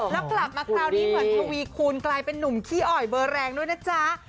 แล้วกลับมาคราวนี้เหมือนทวีคูณกลายเป็นนุ่มขี้อ่อยเบอร์แรงด้วยนะจ๊ะ